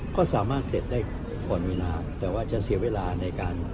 ก็สามารถเสร็จได้ก่อนเวลาแต่ว่าจะเสียเวลาในการ